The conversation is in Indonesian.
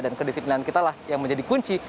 dan kedisiplinan kita lah yang menjadi kunci